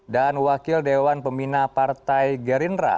dan wakil dewan pemina partai gerindra